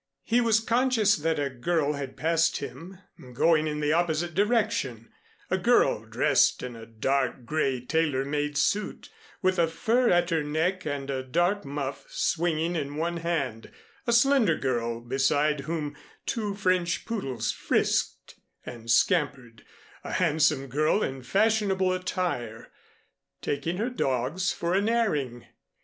He was conscious that a girl had passed him going in the opposite direction, a girl dressed in a dark gray tailor made suit, with a fur at her neck and a dark muff swinging in one hand a slender girl beside whom two French poodles frisked and scampered, a handsome girl in fashionable attire, taking her dogs for an airing.